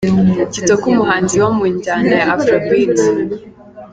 Kitoko, umuhanzi wo mu njyana ya Afrobeat.